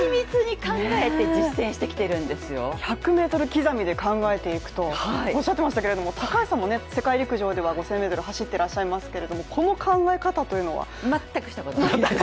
１００ｍ刻みで考えていくとおっしゃってましたけれども高橋さんも世界陸上では５０００ｍ走っていらっしゃいますけれどもこの考え方というのは？全くしたことないです。